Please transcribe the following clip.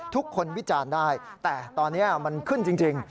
วิจารณ์ได้แต่ตอนนี้มันขึ้นจริง